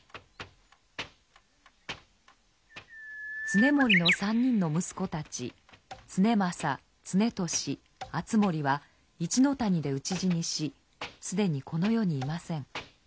経盛の３人の息子たち経正経俊敦盛は一ノ谷で討ち死にし既にこの世にいません。